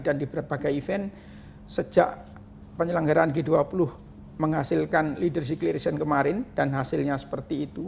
dan di berbagai event sejak penyelenggaraan g dua puluh menghasilkan leadership clearance kemarin dan hasilnya seperti itu